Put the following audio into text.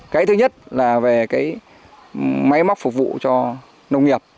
cái thứ nhất là về cái máy móc phục vụ cho nông nghiệp